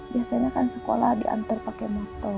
biasanya kan sekolah diantar pakai motor